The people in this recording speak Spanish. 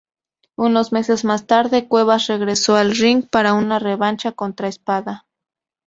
Unos meses más tarde, Cuevas regresó al ring para una revancha contra Espada.